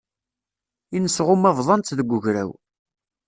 Inesɣuma bḍantt deg ugraw.